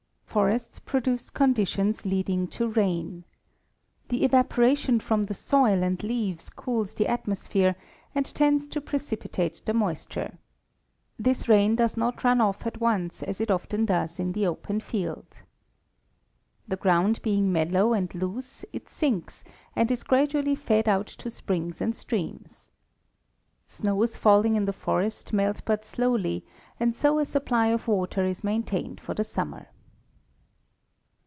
Forests produce conditions leading to rain. The evaporation from the soil and leaves cools the atmos phere and tends to precipitate the moisture. This rain does not run off at once as it often does in the open field. The ground being mellow and loose, it sinks, and is gradually fed out to springs and streams. Snows falling in the forest melt but slowly and so a supply of water is maintained for the sum mer.